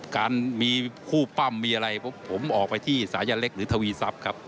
การมีคู่ปั้มมีอะไรผมออกไปที่สายันเล็กหรือทวีทรัพย์ครับ